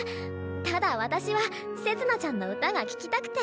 ただ私はせつ菜ちゃんの歌が聴きたくて。